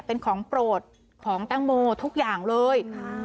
เป็นของโปรดของแตงโมทุกอย่างเลย